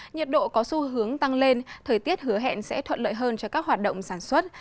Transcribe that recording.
nhiệt độ có xu hướng tăng lên thời tiết hứa hẹn sẽ thuận lợi hơn cho các hoạt động sản xuất